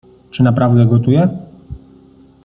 Czy naprawdę gotuje?